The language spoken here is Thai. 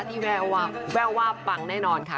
ที่แวววาบปังแน่นอนค่ะ